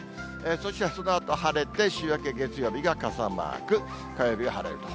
そしてそのあと晴れて、週明け月曜日が傘マーク、火曜日が晴れると。